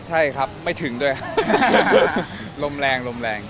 ใช่ครับไม่ถึงด้วยลมแรงลมแรง